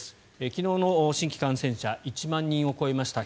昨日の新規感染者１万人を超えました。